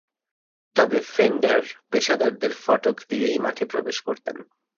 তবে, ফেন্ডার পেশাদারদের ফটক দিয়েই মাঠে প্রবেশ করতেন।